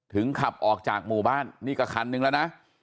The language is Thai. ขับออกจากหมู่บ้านนี่ก็คันนึงแล้วนะ